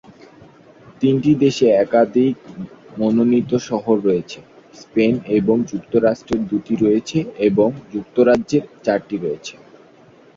তিনটি দেশে একাধিক মনোনীত শহর রয়েছে: স্পেন এবং যুক্তরাষ্ট্রে দুইটি রয়েছে এবং যুক্তরাজ্যের চারটি রয়েছে।